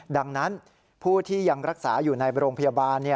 ดังนั้นผู้ที่ยังรักษาอยู่ในโรงพยาบาล